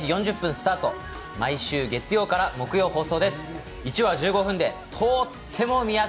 スタート、毎週月曜から木曜放送です。